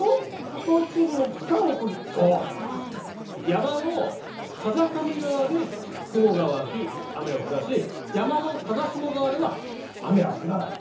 山の風上側で雲が湧き雨を降らし山の風下側では雨は降らない。